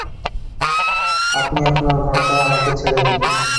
আপনি আপনার ঘরটা আমাকে ছেড়ে দিন।